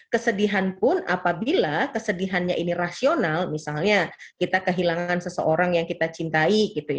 kesedihan pun apabila kesedihannya ini rasional misalnya kita kehilangan seseorang yang kita cintai